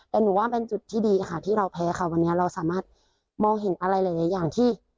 แต่หนูว่าเป็นจุดที่ดีค่ะที่เราแพ้ค่ะวันนี้เราสามารถมองเห็นอะไรหลายอย่างที่